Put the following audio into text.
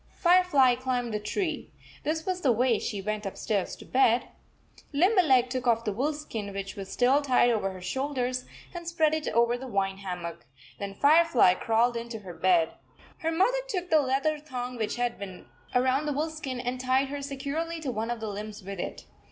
Firefly climbed the tree. This was the way she went upstairs to bed. Limberleg took off the wolf skin which was still tied over her shoulders, and spread it over the vine hammock. Then Firefly crawled into her bed. Her mother took the leather thong which had been around the wolf skin and tied her securely to one of 67 the limbs with it.